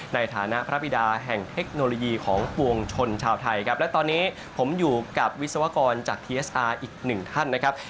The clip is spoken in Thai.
ในฐานะพระบิดาแห่งเทคโนโลยีของปวงชนชาวไทยครับและตอนนี้ผมอยู่กับวิศวกรจากทีเอสอาร์อีกหนึ่งท่านนะครับ